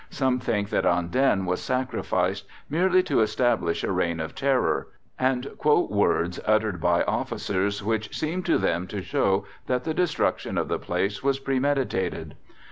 Some think that Andenne was sacrificed merely to establish a reign of terror, and quote words uttered by officers which seemed to them to show that the destruction of the place was premeditated.